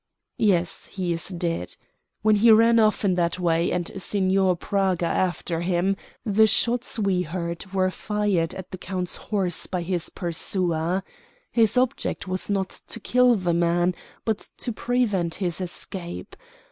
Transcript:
"Yes, he is dead. When he ran off in that way, and Signor Praga after him, the shots we heard were fired at the count's horse by his pursuer. His object was not to kill the man, but to prevent his escape.